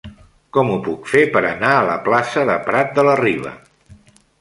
Com ho puc fer per anar a la plaça de Prat de la Riba?